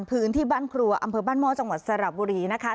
พื้นที่บ้านครัวอำเภอบ้านหม้อจังหวัดสระบุรีนะคะ